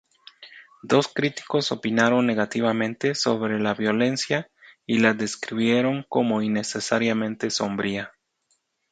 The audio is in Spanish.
Dos críticos opinaron negativamente sobre la violencia y la describieron como innecesariamente sombría.